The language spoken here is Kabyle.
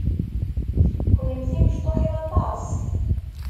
Kenemti mecṭuḥit aṭas.